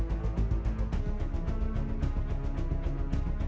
silahkan yang lain yang mulia